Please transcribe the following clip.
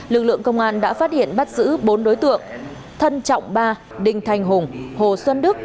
lực lượng công an đã phát hiện bắt giữ bốn đối tượng thân trọng ba đinh thanh hùng hồ xuân đức